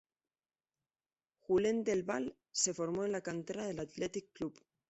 Julen del Val se formó en la cantera del Athletic Club.